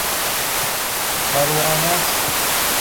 پروانس